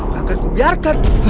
takkan ku biarkan